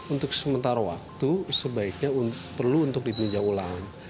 untuk sementara waktu sebaiknya perlu untuk ditinjau ulang